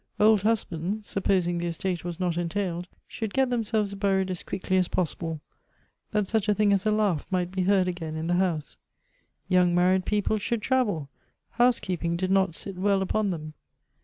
Old hus bands (supposing the estate was not entailed) should get themselves buried as quickly as possible, that such a thing as a laugh might be heard again in tlie house. Young married ]>eople should travel : housekeeping did not sit well upon them.